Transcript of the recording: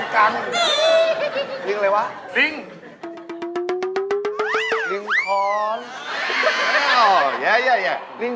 ของหลอดใช่ไหม